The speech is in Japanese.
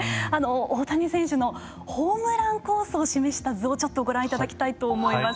大谷選手のホームランコースを示した図をちょっとご覧いただきたいと思います。